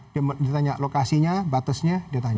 dia ditanya lokasinya batasnya dia tanya